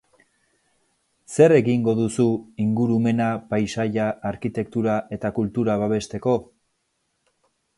Zer egingo duzu ingurumena, paisaia, arkitektura eta kultura babesteko?